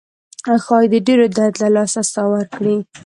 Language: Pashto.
ښایي د ډیر درد له لاسه ساه ورکړي.